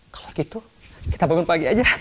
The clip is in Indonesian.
kalau gitu kita bangun pagi aja